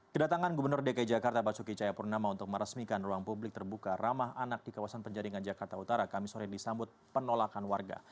kedatangan gubernur dki jakarta basuki cayapurnama untuk meresmikan ruang publik terbuka ramah anak di kawasan penjaringan jakarta utara kami sore disambut penolakan warga